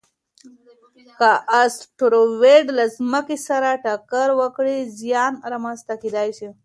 که اسټروېډ له ځمکې سره ټکر وکړي، زیان رامنځته کېدای شي.